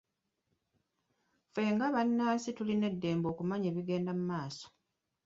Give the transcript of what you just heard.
Ffe nga bannansi tulina eddembe okumanya ebigenda mu maaso.